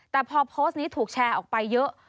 แต่พอโพสต์นี้ถูกแชร์ออกไปเยอะ